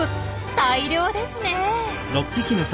大漁ですね。